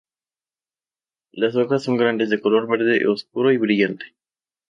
Las hojas son grandes de color verde oscuro y brillante.